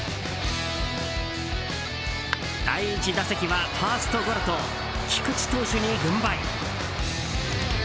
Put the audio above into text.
第１打席はファーストゴロと菊池投手に軍配。